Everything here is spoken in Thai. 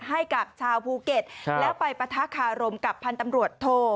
ให้กับชาวภูเก็ตแล้วไปปะทะคารมกับพันธ์ตำรวจโท